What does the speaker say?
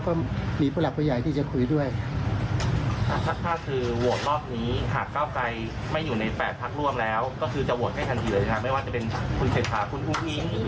ไม่ว่าจะเป็นคุณเศรษฐรคุณกุ้งพิงหรือใครต่าง